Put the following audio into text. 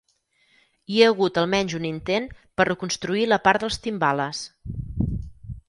Hi ha hagut almenys un intent per reconstruir la part dels timbales.